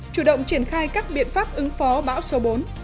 chủ động triển khai các biện pháp ứng phó bão số bốn